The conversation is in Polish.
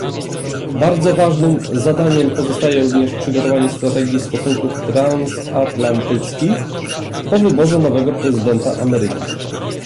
Bardzo ważnym zadaniem pozostaje również przygotowanie strategii stosunków transatlantyckich po wyborze nowego prezydenta Ameryki